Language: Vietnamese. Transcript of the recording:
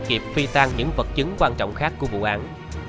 kịp phi tan những vật chứng quan trọng khác của vụ án